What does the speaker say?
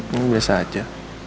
ini biasa aja